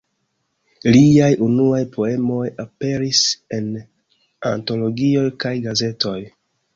Liaj unuaj poemoj aperis en antologioj kaj gazetoj.